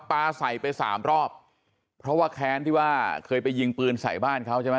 ปลาใส่ไปสามรอบเพราะว่าแค้นที่ว่าเคยไปยิงปืนใส่บ้านเขาใช่ไหม